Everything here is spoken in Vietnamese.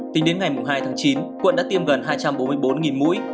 tính đến ngày hai tháng chín quận đã tiêm gần hai trăm bốn mươi bốn mũi